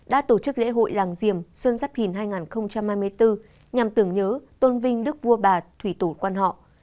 đã tổ chức lễ hội làng diềm xuân giáp thìn hai nghìn hai mươi bốn nhằm tưởng nhớ tôn vinh đức vua bà thủy tổ quan họ